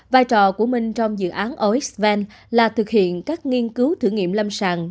vài trò của mình trong dự án osvent là thực hiện các nghiên cứu thử nghiệm lâm sàng